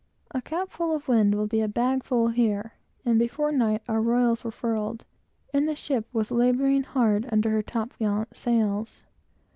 A cap full of wind will be a bag full here, and before night our royals were furled, and the ship was laboring hard under her top gallant sails.